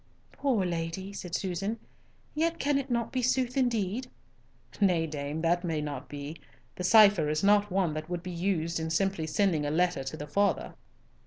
"Poor lady," said Susan. "Yet can it not be sooth indeed?" "Nay, dame, that may not be. The cipher is not one that would be used in simply sending a letter to the father."